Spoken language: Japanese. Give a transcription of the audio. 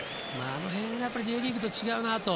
あの辺がＪリーグと違うなと。